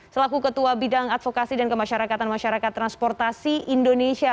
selaku ketua bidang advokasi dan kemasyarakatan masyarakat transportasi indonesia